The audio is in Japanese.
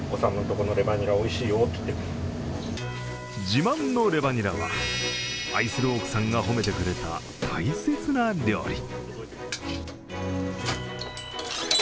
自慢のレバニラは愛する奥さんが褒めてくれた大切な料理。